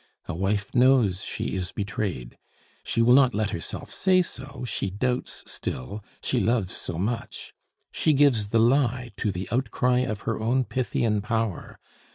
A wife knows she is betrayed; she will not let herself say so, she doubts still she loves so much! She gives the lie to the outcry of her own Pythian power.